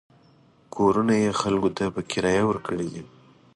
کورونه یې خلکو ته په کرایه ورکړي دي.